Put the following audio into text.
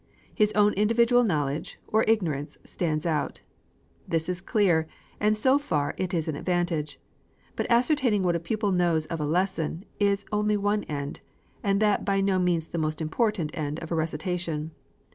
His own individual knowledge, or ignorance, stands out. This is clear, and so far it is an advantage. But ascertaining what a pupil knows of a lesson, is only one end, and that by no means the most important end of a recitation.